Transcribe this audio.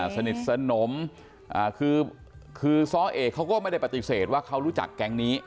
สนิทสนมคือซ้อเอกเขาก็ไม่ได้ปฏิเสธว่าเขารู้จักแก๊งนี้